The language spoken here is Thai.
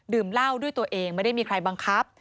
เหล้าด้วยตัวเองไม่ได้มีใครบังคับ